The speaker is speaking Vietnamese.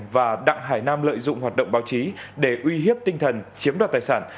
và đặng hải nam lợi dụng hoạt động báo chí để uy hiếp tinh thần chiếm đoạt tài sản